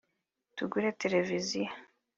tugure televiziyo